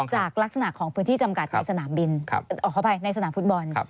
จากลักษณะของพื้นที่จำกัดในสนามฟุตบอล